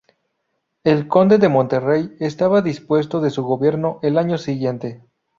El conde de Monterey será depuesto de su gobierno el año siguiente.